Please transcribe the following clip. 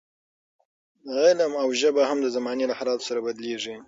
علم او ژبه هم د زمانې له حالاتو سره بدلېږي.